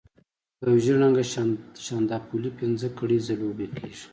په یو ژېړ رنګه شانداپولي پنځه کړۍ ځلوبۍ کېږي.